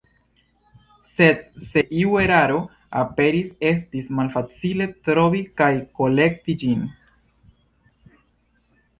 Sed se iu eraro aperis, estis malfacile trovi kaj korekti ĝin.